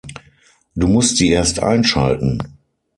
Du musst sie erst einschalten.